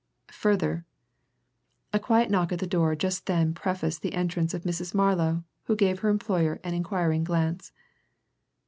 Further " A quiet knock at the door just then prefaced the entrance of Mrs. Marlow, who gave her employer an inquiring glance.